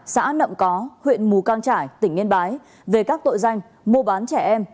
xã nậm có huyện mù căng trải tỉnh yên bái về các tội danh mua bán trẻ em